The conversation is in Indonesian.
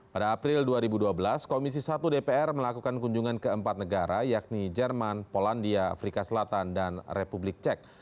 pada april dua ribu dua belas komisi satu dpr melakukan kunjungan ke empat negara yakni jerman polandia afrika selatan dan republik cek